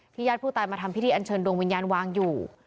ญาติผู้ตายมาทำพิธีอันเชิญดวงวิญญาณวางอยู่